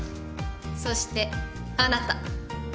そしてあなた。